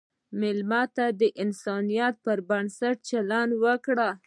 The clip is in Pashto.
مېلمه ته د انسانیت پر بنسټ چلند وکړه.